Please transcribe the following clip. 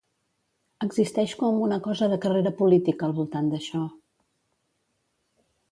Existeix com una cosa de carrera política al voltant d'això.